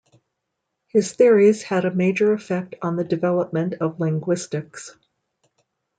His theories had a major effect on the development of linguistics.